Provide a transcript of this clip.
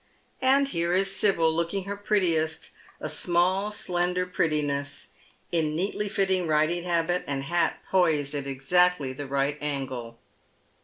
And here is Sibyl, looking her prettiest, a small, slender prettineys, in neatly fitting riding habit, and hat poised at exactly the right angle.